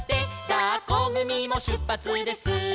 「だっこぐみもしゅっぱつです」